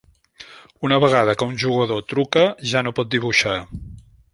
Una vegada que un jugador truca, ja no pot dibuixar.